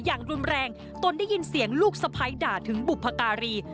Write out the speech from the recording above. อย่างรุนแรงตนได้ยินเสียงลูกสะพ้ายด่าถึงบุพการี